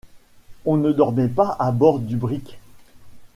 On ne dormait pas à bord du brick.